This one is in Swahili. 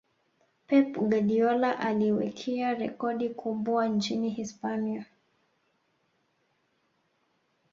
pep guardiola aliwekia rekodi kubwa nchini hispania